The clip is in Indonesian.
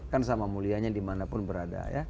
kan sama mulianya dimanapun berada ya